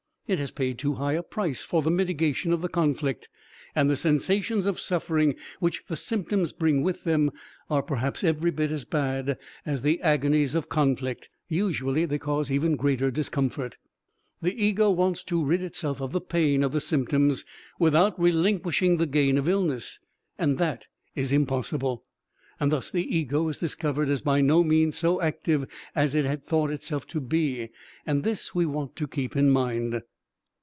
It has paid too high a price for the mitigation of the conflict; and the sensations of suffering which the symptoms bring with them are perhaps every bit as bad as the agonies of conflict, usually they cause even greater discomfort. The ego wants to rid itself of the pain of the symptoms without relinquishing the gain of illness, and that is impossible. Thus the ego is discovered as by no means so active as it had thought itself to be, and this we want to keep in mind.